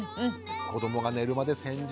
「子どもが寝るまで戦場」